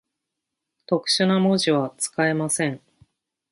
特殊な文字は、使えません。